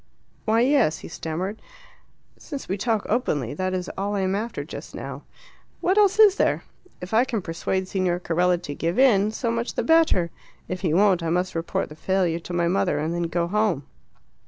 "Why, yes," he stammered. "Since we talk openly, that is all I am after just now. What else is there? If I can persuade Signor Carella to give in, so much the better. If he won't, I must report the failure to my mother and then go home.